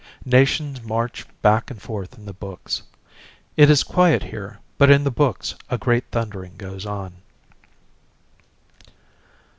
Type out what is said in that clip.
Nations march back and forth in the books. It is quiet here but in the books a great thundering goes on.